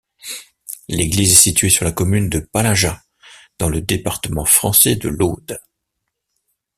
L'église est située sur la commune de Palaja, dans le département français de l'Aude.